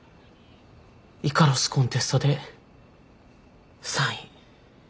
イカロスコンテストで３位。